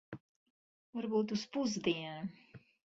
Varbūt uz pusdienu.